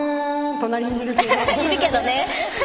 隣にいるけど。